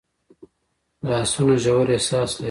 لاسونه ژور احساس لري